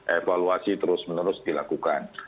evaluasi terus menerus dilakukan